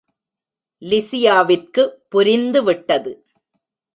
லிசியாவிற்கு புரிந்து விட்டது.